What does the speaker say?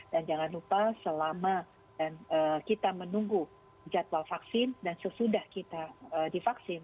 dan jangan lupa selama kita menunggu jadwal vaksin dan sesudah kita divaksin